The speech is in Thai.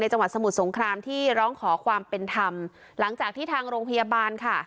จังหวัดสมุทรสงครามที่ร้องขอความเป็นธรรมหลังจากที่ทางโรงพยาบาลค่ะ